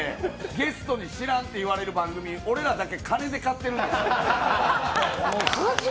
ゲストに知らんって言われる番組俺らだけ金で買ってるんでしょ。